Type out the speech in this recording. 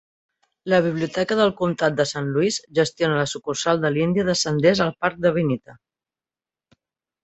La biblioteca del comtat de Saint Louis gestiona la sucursal de l'Índia de senders al parc de Vinita.